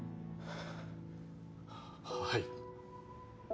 はい。